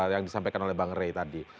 yang disampaikan oleh bang rey tadi